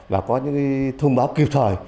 và có những thông báo kịp thời